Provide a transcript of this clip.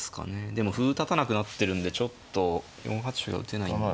でも歩立たなくなってるんでちょっと４八歩が打てないんで。